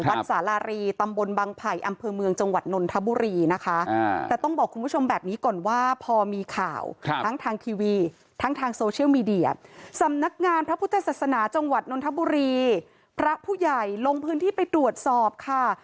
พระพุทธศาสนาจังหวัดนนทบุรีพระผู้ใหญ่ลงพื้นที่ไปตรวจสอบค่ะ